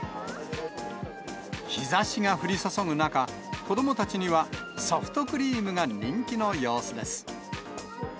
日ざしが降り注ぐ中、子どもたちにはソフトクリームが人気の様子です。